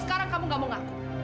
saya gak akan melaporkan kamu